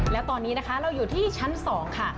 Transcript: แล้วตอนนี้นะคะเราอยู่ที่ชั้น๒ค่ะ